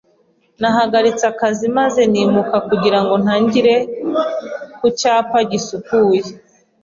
Nahagaritse akazi maze nimuka kugira ngo ntangire ku cyapa gisukuye.